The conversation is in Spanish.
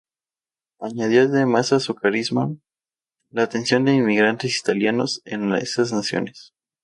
Añadió además a su carisma, la atención de inmigrantes italianos en esas naciones.